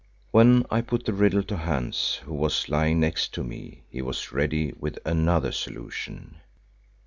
When I put the riddle to Hans, who was lying next to me, he was ready with another solution.